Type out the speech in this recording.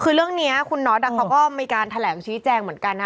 คือเรื่องนี้คุณน็อตเขาก็มีการแถลงชี้แจงเหมือนกันนะ